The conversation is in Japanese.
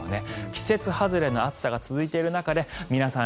季節外れの暑さが続いている中で皆さん